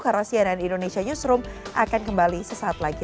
karena cnn indonesia newsroom akan kembali sesaat lagi